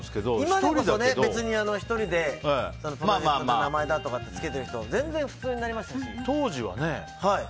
今でこそ別に１人でプロジェクトの名前とかつけてる人全然、普通になりましたし。